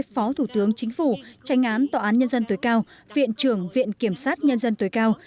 phó thủ tướng chính phủ tranh án tòa án nhân dân tối cao viện trưởng viện kiểm sát nhân dân tối cao